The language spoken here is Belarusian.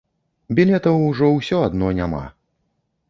Білетаў ужо ўсё адно няма.